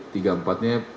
tiga empatnya itu berarti